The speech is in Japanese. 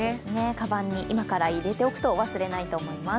かばんに今から入れておくと忘れないと思います。